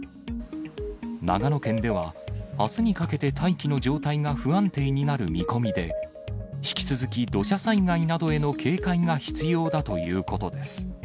長野県では、あすにかけて大気の状態が不安定になる見込みで、引き続き土砂災害などへの警戒が必要だということです。